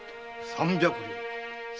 三百両。